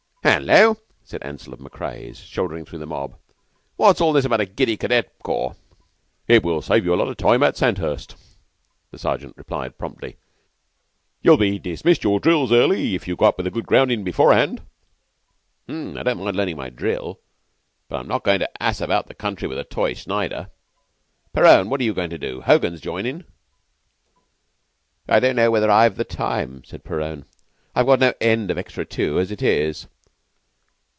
"Hullo," said Ansell of Macrea's, shouldering through the mob. "What's all this about a giddy cadet corps?" "It will save you a lot o' time at Sandhurst," the Sergeant replied promptly. "You'll be dismissed your drills early if you go up with a good groundin' before'and." "Hm! 'Don't mind learnin' my drill, but I'm not goin' to ass about the country with a toy Snider. Perowne, what are you goin' to do? Hogan's joinin'." "Don't know whether I've the time," said Perowne. "I've got no end of extra tu as it is."